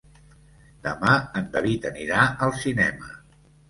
Demà en David anirà al cinema.